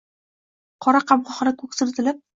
Qora qamoqxona koʻksini tilib